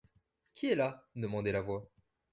Qui est là? demandait la voix.